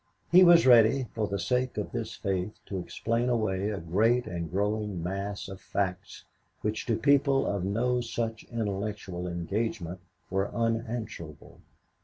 He was ready, for the sake of this faith, to explain away a great and growing mass of facts which to people of no such intellectual engagement were unanswerable.